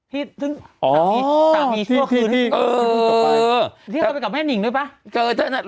ที่เข้าไปกับแม่นิ่งด้วยปะ